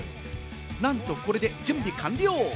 なんと、これで準備完了。